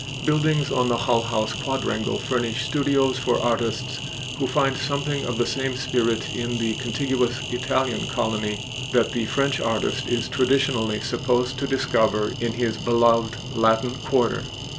Buildings on the Hull House quadrangle furnish studios for artists who find something of the same spirit in the contiguous Italian colony that the French artist is traditionally supposed to discover in his beloved Latin Quarter.